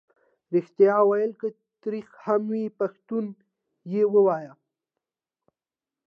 ریښتیا ویل که تریخ هم وي پښتون یې وايي.